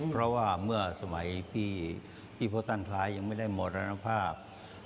เพราะว่าเมื่อสมัยพี่พระท่านคล้ายยังไม่ได้มรณภาพ